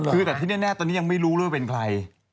คือแต่ที่แน่ตอนนี้ยังไม่รู้เลยว่าเป็นใคร